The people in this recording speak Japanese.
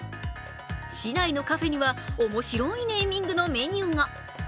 市内のカフェには、面白いネーミングのメニューが。